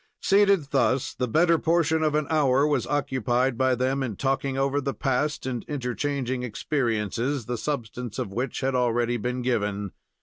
Seated thus the better portion of an hour was occupied by them in talking over the past and interchanging experiences, the substance of which had already been given.